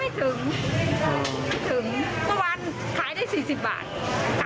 ไม่ถึงเมื่อวานขายได้๔๐บาท